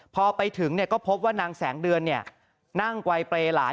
พอไปถึงเนี่ยก็พบว่านางแสงเดือนเนี่ยนั่งไกวเปลหลาน